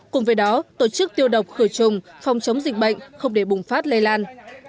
cùng với đó tổ chức tiêu độc khử trùng phòng chống dịch bệnh không để bùng phát lây lan